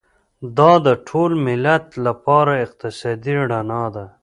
دا د ټول ملت لپاره اقتصادي رڼا ده.